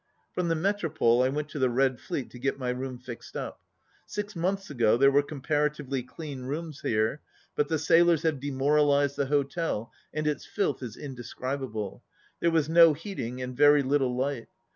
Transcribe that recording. , From the Metropole I went to the Red Fleet to get my room fixed up. Six months ago there were comparatively clean rooms here, but the sailors have demoralized the hotel and its filth is inde scribable. There was no heating and very little light.